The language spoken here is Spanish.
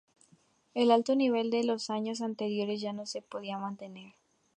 El alto nivel de los años anteriores ya no se podía mantener.